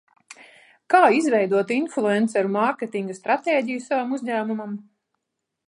Kā izveidot influenceru mārketinga stratēģiju savam uzņēmumam?